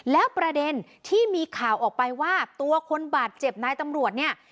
แล้วประเด็นที่มีข่าวออกไปว่าตัวคนบาดเจ็บนายตำรวจเนี่ย